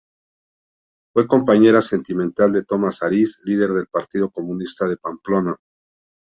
Fue compañera sentimental de Tomás Ariz, líder del Partido Comunista de Pamplona.